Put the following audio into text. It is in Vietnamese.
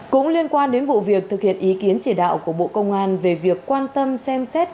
cũng liên quan đến vụ việc thực hiện ý kiến chỉ đạo của bộ công an về việc quan tâm xem xét